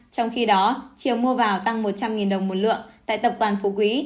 trong khi đó chiều mua vào tăng một trăm linh đồng một lượng tại tập đoàn phú quý